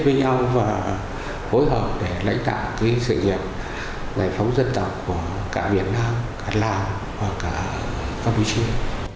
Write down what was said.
phối hợp để lãnh đạo cái sự nghiệp giải phóng dân tộc của cả việt nam cả lào và cả campuchia